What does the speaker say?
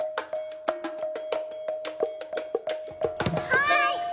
はい！